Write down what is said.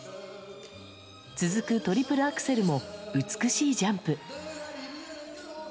続くトリプルアクセルも美しいジャンプ。